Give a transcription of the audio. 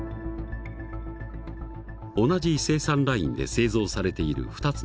同じ生産ラインで製造されている２つの車種。